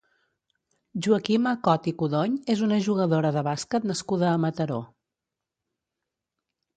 Joaquima Cot i Codony és una jugadora de bàsquet nascuda a Mataró.